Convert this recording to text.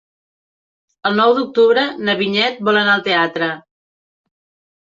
El nou d'octubre na Vinyet vol anar al teatre.